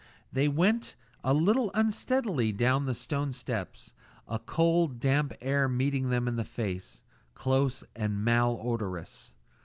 They went a little unsteadily down the stone steps, a cold, damp air meeting them in the face, close and mal odorous.